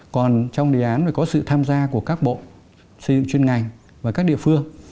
còn trong đề án thì có sự tham gia của các bộ xây dựng chuyên ngành và các địa phương